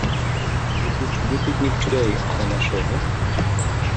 You’ll go to no picnic today, Alana Shirley.